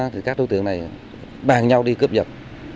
thì các đối tượng này bàn nhau đi cướp dật